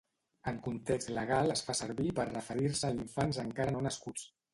En context legal es fa servir per referir-se a infants encara no nascuts.